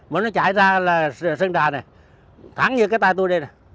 mà nó chạy ra là sân đà nè thẳng như cái tay tôi đây nè